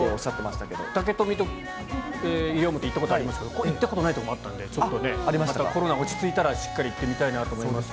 竹富と西表、行ったことありますけど、行ったこともない所もあったので、ちょっとね、またコロナが落ち着いたら、しっかり行ってみたいなと思いました。